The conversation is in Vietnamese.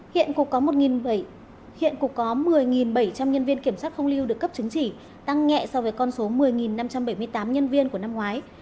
hiện cục có hiện cục có một mươi bảy trăm linh nhân viên kiểm soát không lưu được cấp chứng chỉ tăng nhẹ so với con số một mươi năm trăm bảy mươi tám nhân viên của năm ngoái